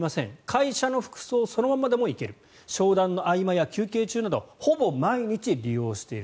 会社の服装そのままでも行ける商談の合間や休憩中などほぼ毎日利用している。